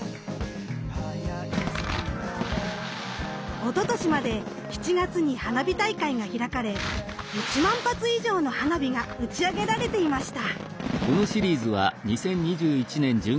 おととしまで７月に花火大会が開かれ１万発以上の花火が打ち上げられていました。